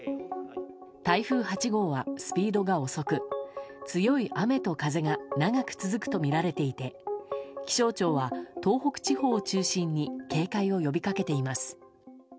台風８号はスピードが遅く強い雨と風が長く続くとみられていて気象庁は東北地方を中心に警戒を呼びかけています。